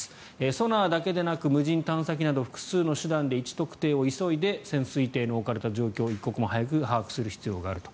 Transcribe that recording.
ソナーだけでなく無人探査機など複数の手段で位置特定を急いで潜水艇の置かれた状況を一刻も早く把握する必要があると。